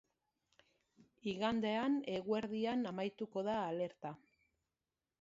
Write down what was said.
Igandean eguerdian amaituko da alerta.